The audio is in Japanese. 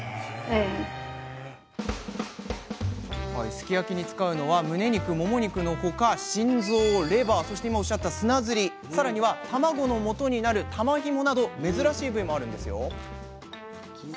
すき焼きに使うのはむね肉もも肉の他心臓レバーそして今おっしゃった砂ずりさらには卵のもとになる「玉ひも」など珍しい部位もあるんですよ。